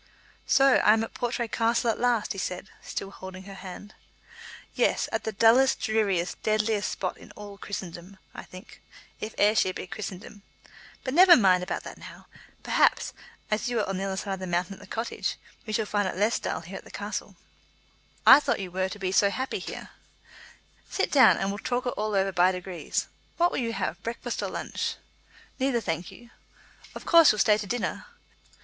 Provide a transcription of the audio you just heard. "So I am at Portray Castle at last," he said, still holding her hand. "Yes, at the dullest, dreariest, deadliest spot in all Christendom, I think, if Ayrshire be Christendom. But never mind about that now. Perhaps, as you are at the other side of the mountain at the Cottage, we shall find it less dull here at the castle." "I thought you were to be so happy here." "Sit down and we'll talk it all over by degrees. What will you have, breakfast or lunch?" "Neither, thank you." "Of course you'll stay to dinner?"